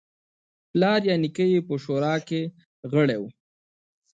پلار یا نیکه په شورا کې غړی و.